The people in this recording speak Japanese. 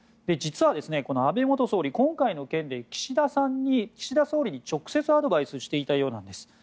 実は、この安倍元総理今回の件で岸田総理に直接アドバイスをしていたようなんです。